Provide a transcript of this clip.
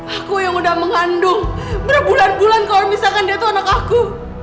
aku yang udah mengandung berbulan bulan kalau misalkan dia itu anak aku